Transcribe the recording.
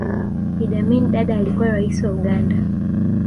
idd amin dada alikuwa raisi wa uganda